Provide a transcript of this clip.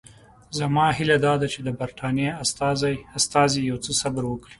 زما هیله دا ده چې د برټانیې استازي یو څه صبر وکړي.